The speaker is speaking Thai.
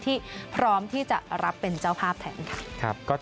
พร้อมที่จะรับเป็นเจ้าภาพแทนค่ะ